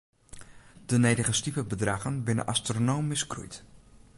De nedige stipebedraggen binne astronomysk groeid.